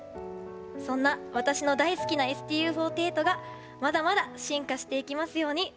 そんな私の大好きなＳＴＵ４８がまだまだ進化していきますように。